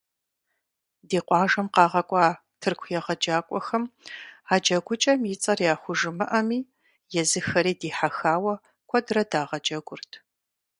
Ди къуажэм къагъэкӀуа тырку егъэджакӀуэхэм а джэгукӏэм и цӀэр яхужымыӏэми, езыхэри дихьэхауэ куэдрэ дагъэджэгурт.